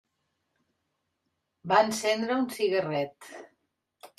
Va encendre un cigarret.